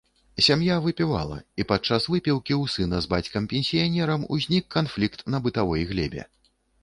Сям'я выпівала, і падчас выпіўкі ў сына з бацькам-пенсіянерам узнік канфлікт на бытавой глебе.